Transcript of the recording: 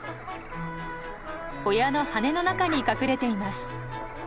親の羽の中に隠れています。